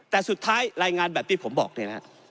แต่สุดท้ายรายงานแบบที่ผมบอกเนี่ยนะฮะ